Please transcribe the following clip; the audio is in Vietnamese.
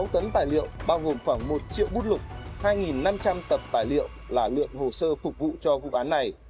sáu tấn tài liệu bao gồm khoảng một triệu bút lục hai năm trăm linh tập tài liệu là lượng hồ sơ phục vụ cho vụ án này